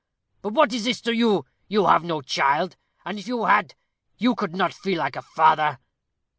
But what is this to you? You have no child; and if you had, you could not feel like a father.